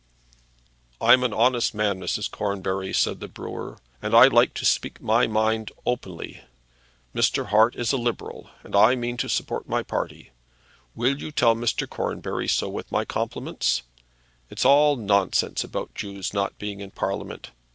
"I'm an honest man, Mrs. Cornbury," said the brewer, "and I like to speak out my mind openly. Mr. Hart is a liberal, and I mean to support my party. Will you tell Mr. Cornbury so with my compliments? It's all nonsense about Jews not being in Parliament.